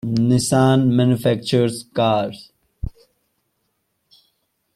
Nissan manufactures cars.